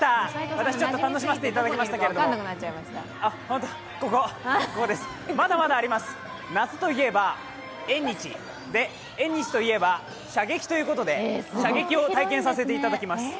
私ちょっと楽しませていただきましたけれどもまだまだあります、夏といえば縁日で縁日といえば、射撃ということで射撃を体験させていただきます。